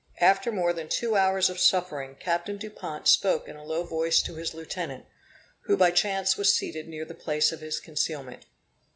After more than two hours of suffering, Captain Dupont spoke in a low voice to his lieutenant, who by chance was seated near the place of his concealment.